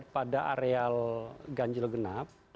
pada areal ganjil genap